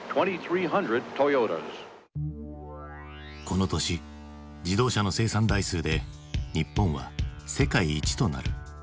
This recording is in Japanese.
この年自動車の生産台数で日本は世界一となる。